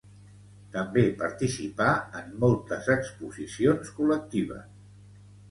També participà en moltes exposicions col·lectives.